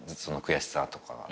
その悔しさとか。